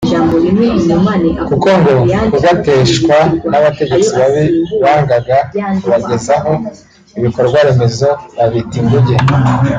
kuko ngo kugateshwa n’abategetsi babi bangaga kubagezaho ibikorwaremezo babita ingunge